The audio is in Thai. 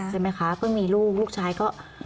ใช่ไหมคะก็มีลูกลูกชายก็